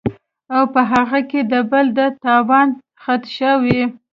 او پۀ هغې کې د بل د تاوان خدشه وي